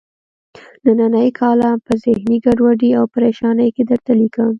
نننۍ کالم په ذهني ګډوډۍ او پریشانۍ کې درته لیکم.